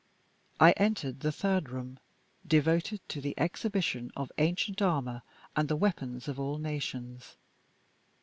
I entered the third room, devoted to the exhibition of ancient armor, and the weapons of all nations.